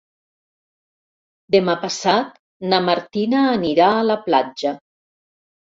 Demà passat na Martina anirà a la platja.